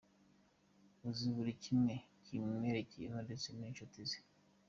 Uzi buri kimwe kimwerekeyeho ndetse n’inshuti ze.